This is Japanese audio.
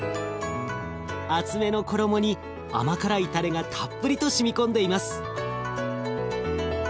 厚めの衣に甘辛いたれがたっぷりとしみ込んでいます。